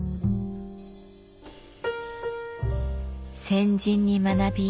先人に学び